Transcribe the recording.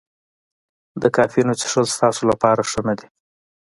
د کافینو څښل ستاسو لپاره ښه نه دي.